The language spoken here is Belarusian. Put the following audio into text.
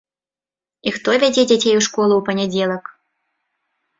І хто вядзе дзяцей у школу ў панядзелак.